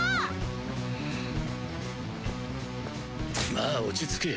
まあ落ち着け。